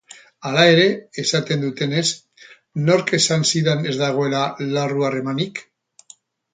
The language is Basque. Hala ere, esaten dutenez, nork esan zidan, ez dagoela larru-harremanik?